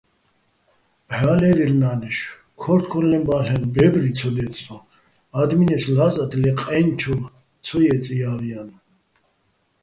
ბჵა́ ლე́ვირ ნა́ნეშო̆: ქორთქორლეჼბა́ლენო̆ ბე́ბრი ცო დე́წსოჼ, ა́დმენეს ლა́ზათ ლე ყაჲნჩოვ ცო ჲეწე̆ ჲა́ვანაჲნო̆.